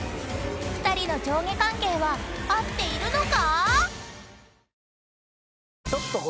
［２人の上下関係は合っているのか？］